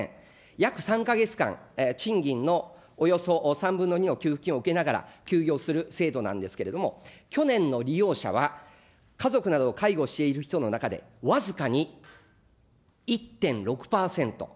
約３か月間、賃金のおよそ３分の２の給付金を受けながら、休業する制度なんですけれども、去年の利用者は、家族などを介護している人の中で、僅かに１．６％。